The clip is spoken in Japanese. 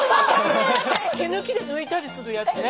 毛抜きで抜いたりするやつね。